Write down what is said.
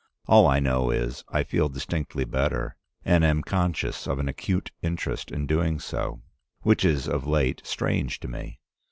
All I know is, I feel distinctly better, and am conscious of an acute interest in doing so, which is of late strange to me.